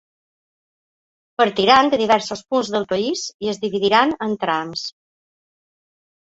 Partiran de diversos punts del país i es dividiran en trams.